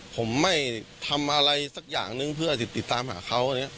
ผมไม่ทำอะไรสักอย่างนึงเพื่อติดตามหาเขา